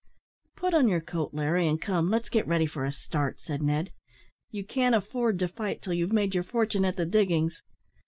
"Put on your coat, Larry, and come, let's get ready for a start," said Ned; "you can't afford to fight till you've made your fortune at the diggings.